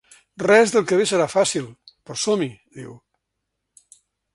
Res del que ve serà fàcil, però som-hi, diu.